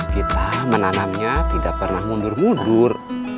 kita menanamnya tidak pernah mundur mundur